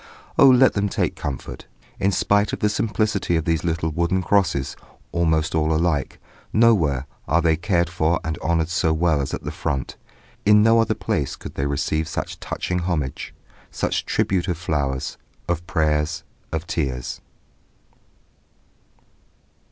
Oh let them take comfort! In spite of the simplicity of these little wooden crosses, almost all alike, nowhere are they cared for and honoured so well as at the front; in no other place could they receive such touching homage, such tribute of flowers, of prayers, of tears.